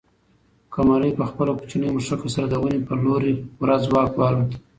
قمرۍ په خپلې کوچنۍ مښوکې سره د ونې پر لور په پوره ځواک والوته.